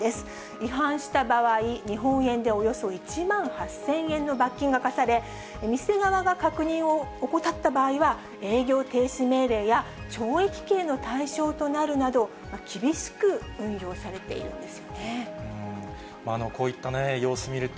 違反した場合、日本円でおよそ１万８０００円の罰金が科され、店側が確認を怠った場合は、営業停止命令や、懲役刑の対象となるなど、こういったね、様子見ると、